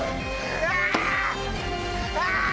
うわ！